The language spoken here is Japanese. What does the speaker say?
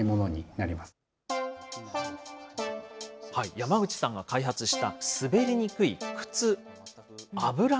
山口さんが開発した滑りにくい靴。